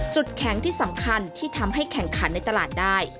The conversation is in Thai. แข็งที่สำคัญที่ทำให้แข่งขันในตลาดได้